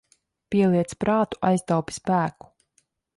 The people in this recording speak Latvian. Pieliec prātu, aiztaupi spēku.